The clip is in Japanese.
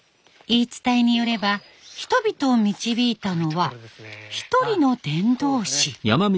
言い伝えによれば人々を導いたのは一人の伝道師。